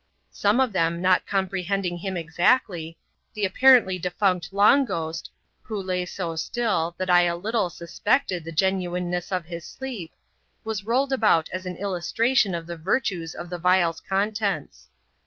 Some of them not compre hending him exactly, the apparently defunct Long Ghost — who lay so still that I a Uttle suspected iJie genuineness of his sleep — yr&a rolled about as an illustration of the virtues of the vial's contents.